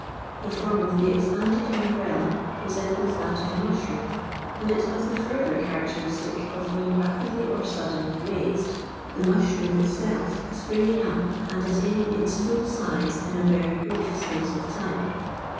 The form of the expanded umbrella resembles that of a mushroom, and it has the further charac< teristic of being rapidly or suddenly raised, the | mushroom itself sprmgiBg up and attaining its foil size in a very brief space of time.